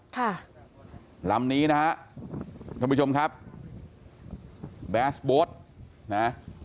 ค่ะลำนี้นะฮะท่านผู้ชมครับแบสโบ๊ทนะ